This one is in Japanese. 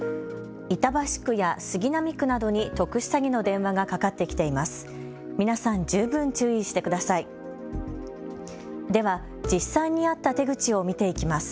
板橋区や杉並区などに特殊詐欺の電話がかかってきています。